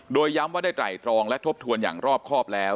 โดยย้ำว่าได้ไตรตรองและทบทวนอย่างรอบครอบแล้ว